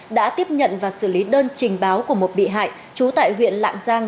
đã tiếp nhận và xử lý đơn trình báo của một bị hại trú tại huyện lạng giang